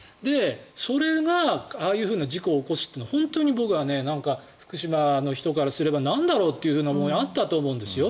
それがああいう事故を起こすというのは本当に僕は福島の人からすればなんだろうという思いはあったと思うんですよ。